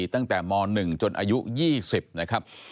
ตั้งแต่ม๑จนอายุ๒๐นะครับ